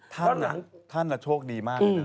ท่านล่ะท่านล่ะโชคดีมากนะ